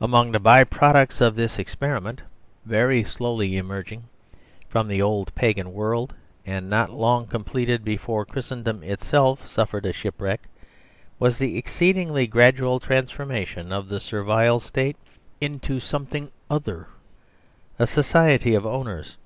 Among the by products of this experiment, very slowly emerging from the old Pagan world, and not 37 THE SERVILE STATE long completed before Christendom itself suffered a shipwreck, was the exceedingly gradual transfor mation of the Servile State into something other : a society of owners.